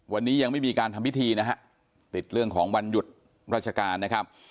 วันนี้ยังไม่มีการทำพิธีนะฮะติดเรื่องของวันหยุดราชการนะครับ